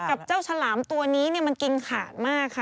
แต่กับเจ้าชลามตัวนี้มันกินขาดมาก